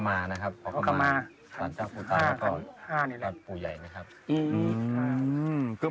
ทางแทฟกรัมมานะครับ